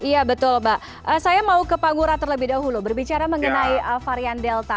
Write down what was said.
iya betul mbak saya mau ke pak ngurah terlebih dahulu berbicara mengenai varian delta